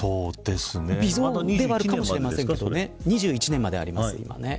微増ではあるかもしれませんが２１年まであります、今。